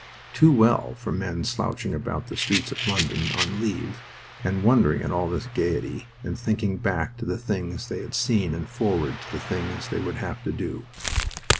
Too well for men slouching about the streets of London on leave, and wondering at all this gaiety, and thinking back to the things they had seen and forward to the things they would have to do.